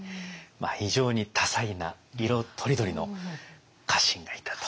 非常に多彩な色とりどりの家臣がいたと。